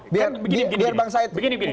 biar bang said